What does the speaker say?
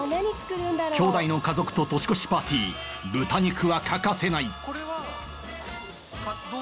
きょうだいの家族と年越しパーティー豚肉は欠かせない